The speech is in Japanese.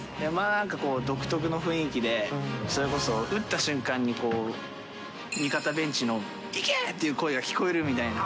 なんか、独特の雰囲気で、それこそ打った瞬間に味方ベンチの行け！っていう声が聞こえるみたいな。